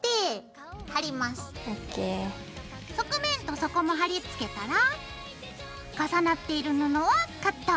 側面と底も貼り付けたら重なっている布をカット。